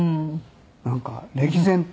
なんか歴然と。